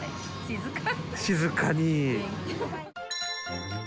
静かに。